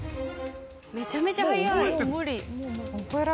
めちゃめちゃ速い。